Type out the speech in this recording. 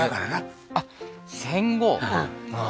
あっ戦後あ